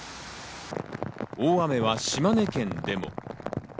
大雨は島根県でも。